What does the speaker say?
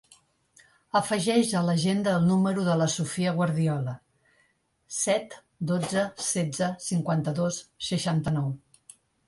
Afegeix a l'agenda el número de la Sofía Guardiola: set, dotze, setze, cinquanta-dos, seixanta-nou.